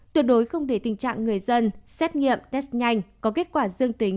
tuyệt đối không để tình trạng người dân xét nghiệm test nhanh có kết quả dương tính